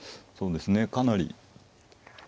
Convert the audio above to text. そうですねかなり。